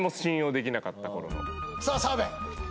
さあ澤部。